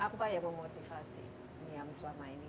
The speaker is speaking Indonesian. apa yang memotivasi niam selama ini